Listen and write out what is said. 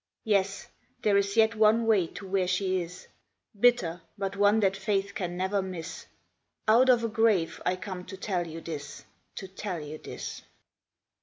Yes, there is yet one way to where she is, Bitter, but one that faith can never miss. Out of a grave I come to tell you this To tell you this.